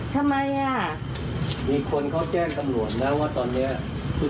ถ้าเพื่อนมองหยุดประสงค์ก็อย่างงี้ละล่ะช่วยหนู